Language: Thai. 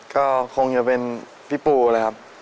ก็คงจะเป็นพี่ปูเลยครับ